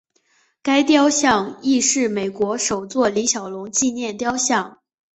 该雕像亦是美国首座李小龙纪念雕像。